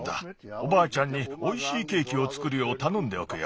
おばあちゃんにおいしいケーキをつくるようたのんでおくよ。